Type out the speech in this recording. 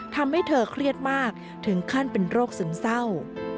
ทำให้เธอเครียดมากถึงขั้นเป็นโรคซึมเศร้า